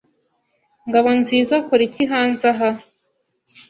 Ngabonziza akora iki hanze aha?